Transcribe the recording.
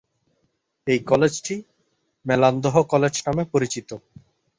এই কলেজটি মেলান্দহ কলেজ নামে পরিচিত।